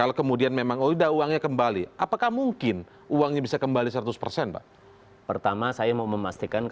atau dikembalikan uangnya atau tidak